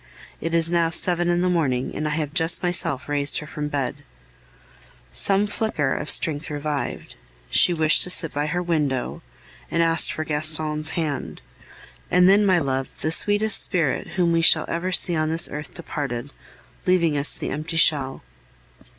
It is now seven in the morning, and I have just myself raised her from bed. Some flicker of strength revived; she wished to sit by her window, and asked for Gaston's hand. And then, my love, the sweetest spirit whom we shall ever see on this earth departed, leaving us the empty shell.